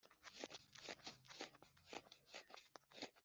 ntacyo muzamuburana